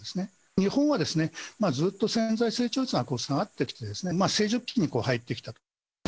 日本はずっと潜在成長率が下がってきて、成熟期に入ってきた。